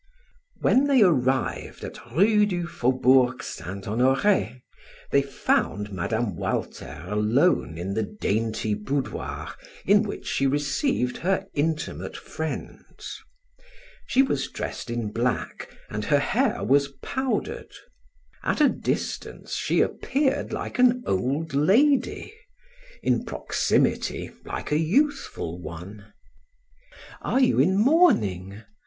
When they arrived at Rue du Faubourg Saint Honore, they found Mme. Walter alone in the dainty boudoir in which she received her intimate friends. She was dressed in black and her hair was powdered. At a distance she appeared like an old lady, in proximity, like a youthful one. "Are you in mourning?"